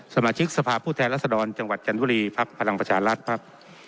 สมาชิกสภาพผู้แทนรัศดรจังหวัดจันทบุรีภักดิ์พลังประชารัฐภักดิ์